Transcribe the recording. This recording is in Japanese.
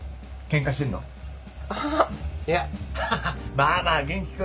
まぁまぁ元気君！